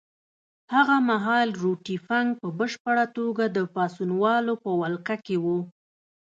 هغه مهال روټي فنک په بشپړه توګه د پاڅونوالو په ولکه کې وو.